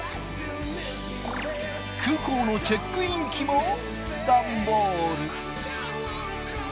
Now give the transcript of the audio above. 空港のチェックイン機もダンボール。